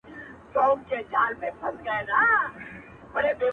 په نارو سول په تحسين سول اولسونه !.